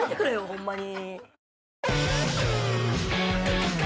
ホンマに。